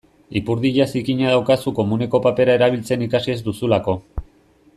Ipurdia zikina daukazu komuneko papera erabiltzen ikasi ez duzulako.